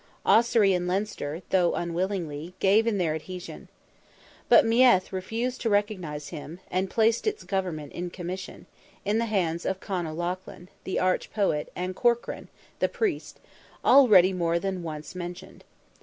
Ossory and Leinster, though unwillingly, gave in their adhesion. But Meath refused to recognise him, and placed its government in commission, in the hands of Con O'Lochan, the arch poet, and Corcran, the priest, already more than once mentioned.